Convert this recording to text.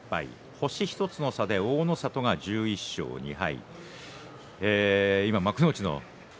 星１つの差で大の里が１１勝２敗。